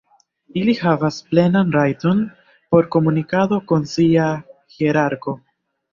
Ili havas plenan rajton por komunikado kun sia hierarko.